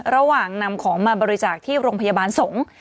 ระหว่างนำของมาบริจาคที่โรงพยาบาลสงฆ์